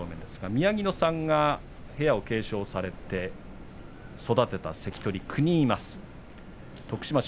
宮城野さんが部屋を継承させて育てた関取が９人います。